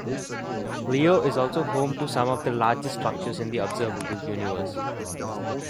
Leo is also home to some of the largest structures in the observable universe.